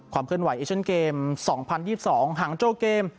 ความเคลื่อนไหวเอชั่นเกม๒๐๒๒หางโจเกม